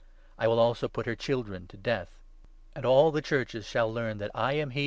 I will also put her children 23 to death ; and all the Churches shall learn that I am he who 10 Dan.